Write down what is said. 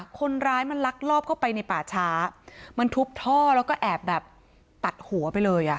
คนร้ายมันลักลอบเข้าไปในป่าช้ามันทุบท่อแล้วก็แอบแบบตัดหัวไปเลยอ่ะ